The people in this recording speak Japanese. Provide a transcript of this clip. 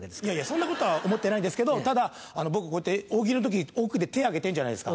そんなことは思ってないんですけどただ僕こうやって大喜利の時奥で手挙げてんじゃないですか。